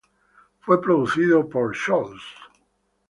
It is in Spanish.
Fue producido por Scholz.